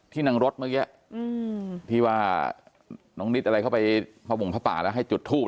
นางรถเมื่อกี้ที่ว่าน้องนิดอะไรเข้าไปพระบ่งผ้าป่าแล้วให้จุดทูป